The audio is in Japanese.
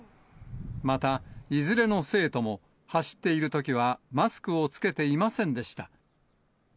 また、いずれの生徒も、走っているときはマスクを着けていませんでした。